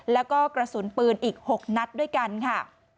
แล้วก็กระสุนปืนอีก๖นัดด้วยกันค่ะ